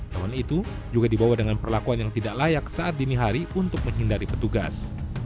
hewan itu juga dibawa dengan perlakuan yang tidak layak saat dini hari untuk menghindari petugas